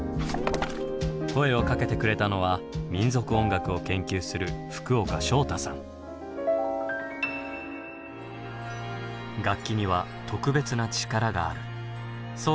声をかけてくれたのは民族音楽を研究する楽器には特別な力があるそう